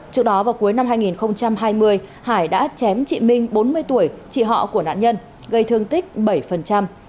trước đó vào cuối năm hai nghìn hai mươi hải đã chém chị minh bốn mươi tuổi chị họ của nạn nhân gây thương tích bảy